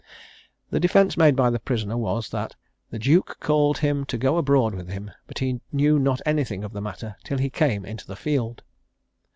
The defence made by the prisoner was, that "the duke called him to go abroad with him, but he knew not anything of the matter till he came into the field."